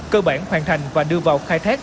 cơ bản hoàn thành và đưa vào khai thác